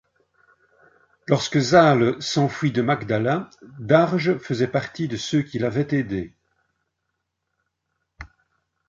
Lorsque Sahle s'enfuit de Magdala, Darge faisait partie de ceux qui l’avaient aidé.